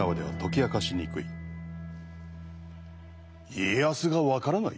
家康が分からない？